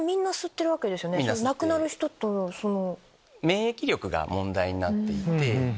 亡くなる人とその。